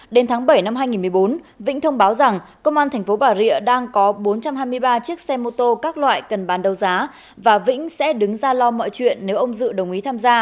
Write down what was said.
đến tháng bảy năm hai nghìn một mươi bốn vĩnh thông báo rằng công an tp bà rịa đang có bốn trăm hai mươi ba chiếc xe mô tô các loại cần bán đấu giá và vĩnh sẽ đứng ra lo mọi chuyện nếu ông dự đồng ý tham gia